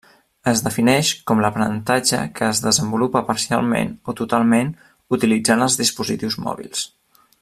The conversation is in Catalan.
Es defineix com l’aprenentatge que es desenvolupa parcialment o totalment utilitzant els dispositius mòbils.